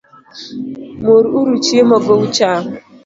Mur uru chiemo go ucham